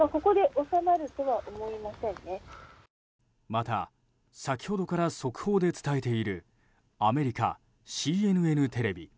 また先ほどから速報で伝えているアメリカＣＮＮテレビ。